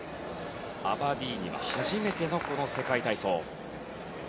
アバディーニは初めての世界体操。